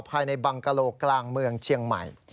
บังกะโลกลางเมืองเชียงใหม่